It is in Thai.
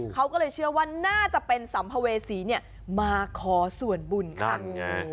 เขาก็เลยเชื่อว่าน่าจะเป็นสัมภเวษีมาขอส่วนบุญค่ะ